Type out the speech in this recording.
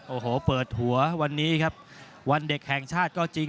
โอ้โหเปิดหัววันนี้ครับวันเด็กแห่งชาติก็จริง